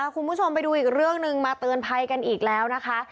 คุณผู้ชมไปดูอีกเรื่องหนึ่งมาเตือนภัยกันอีกแล้วนะคะ